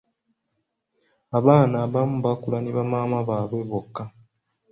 Abaana abamu bakula ne bamaama baawe bokka.